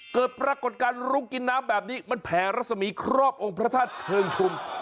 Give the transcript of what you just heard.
เกิดปรากฏการณ์ลุกกินน้ำแบบนี้มันแผ่รัศมีครอบองค์พระธาตุเชิงชุม